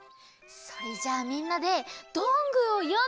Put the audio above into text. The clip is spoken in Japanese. それじゃあみんなでどんぐーをよんでみよう！